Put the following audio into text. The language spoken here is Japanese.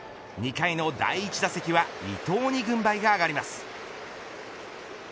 ２回の第一打席は伊藤に軍配が上がります。